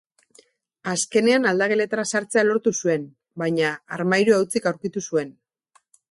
Azkenean aldageletara sartzea lortu zuen, baina armairua hutsik aurkitu zuen.